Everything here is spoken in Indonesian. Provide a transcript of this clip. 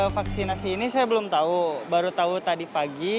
vaksinasi ini saya belum tahu baru tahu tadi pagi